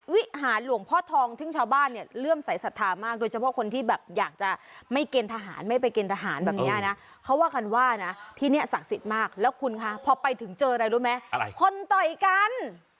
วิหารหลวงพ่อทองซึ่งชาวบ้านเนี่ยเลื่อมสายศรัทธามากโดยเฉพาะคนที่แบบอยากจะไม่เกณฑหารไม่ไปเกณฑหารแบบนี้นะเขาว่ากันว่านะที่นี่ศักดิ์สิทธิ์มากแล้วคุณคะพอไปถึงเจออะไรรู้ไหมอะไรคนต่อยกัน